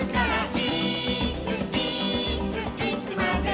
「イースイースイスまでも」